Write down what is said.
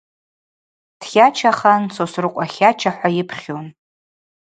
Дтлачахан Сосрыкъва тлача-хӏва йыпхьун.